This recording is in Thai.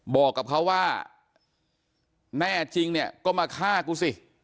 บอกกับเขาว่าแน่จริงเนี่ยก็มาฆ่ากูสิ